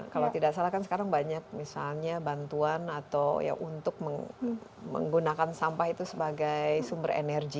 kalau tidak salah kan sekarang banyak misalnya bantuan atau ya untuk menggunakan sampah itu sebagai sumber energi